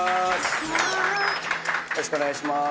よろしくお願いします。